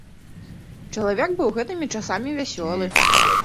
Чалавек быў гэтымі часамі вясёлы.